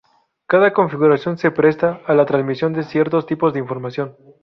Cada configuración se presta a la transmisión de ciertos tipos de información.